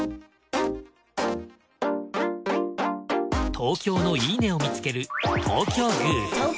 東京のいいね！を見つける。